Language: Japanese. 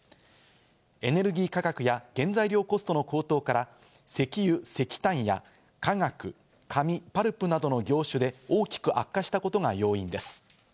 エネルギー価格や原材料コストの高騰から石油・石炭や化学、紙・パルプなどの業種で大きく悪化したことが要因です。